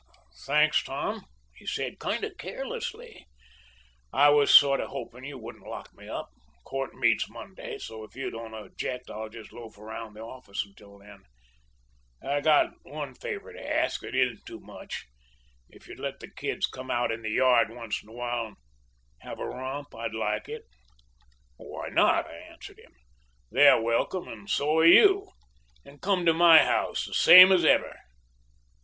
"'Thanks, Tom,' he said, kind of carelessly; 'I was sort of hoping you wouldn't lock me up. Court meets next Monday, so, if you don't object, I'll just loaf around the office until then. I've got one favour to ask, if it isn't too much. If you'd let the kids come out in the yard once in a while and have a romp I'd like it.' "'Why not?' I answered him. 'They're welcome, and so are you. And come to my house, the same as ever.'